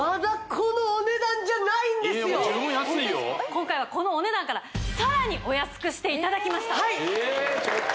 今回はこのお値段からさらにお安くしていただきましたええっ